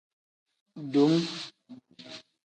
Dum.